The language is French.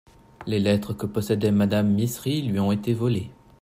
Les lettres que possédait Madame Misri lui ont été volées.